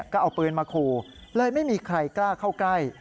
ก็เอาปืนมาขู่เลยไม่มีใครกล้าเข้าใกล้